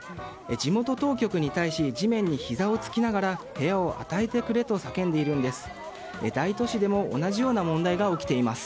地元当局に対し地面にひざをつきながら部屋を与えてくれと叫んでいるんです。